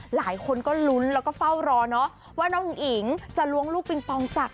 หลายคนก็ลุ้นแล้วก็เฝ้ารอเนอะว่าน้องอุ๋งอิ๋งจะล้วงลูกปิงปองจาก